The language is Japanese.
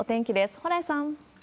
蓬莱さん。